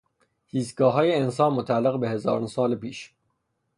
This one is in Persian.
زیستگاههای انسان متعلق به هزاران سال پیش